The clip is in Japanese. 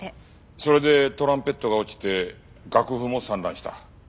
それでトランペットが落ちて楽譜も散乱した。